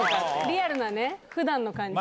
リアルな普段の感じが。